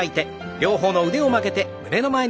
両方の腕を曲げて胸の前に。